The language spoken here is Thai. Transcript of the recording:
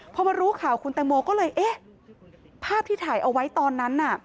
พอมารู้ข่าวคุณแตงโมก็เลยเอ๊ะภาพที่ถ่ายเอาไว้ตอนนั้นน่ะ